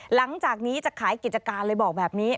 หลังจากนี้จะขายกิจการเลยบอกแบบนี้